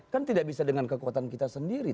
kan tidak bisa dengan kekuatan kita sendiri